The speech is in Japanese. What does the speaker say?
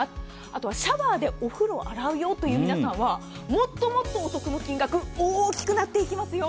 あとはシャワーでお風呂を洗うよという皆さんはもっともっとお得な金額大きくなっていきますよ。